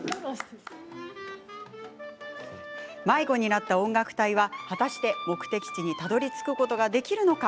迷子になった音楽隊は果たして目的地にたどりつくことができるのか？